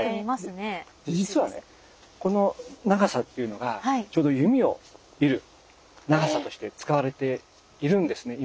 実はねこの長さっていうのがちょうど弓を射る長さとして使われているんですね